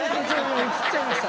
うつっちゃいました。